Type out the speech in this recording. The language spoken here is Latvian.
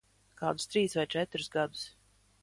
Kādus trīs vai četrus gadus.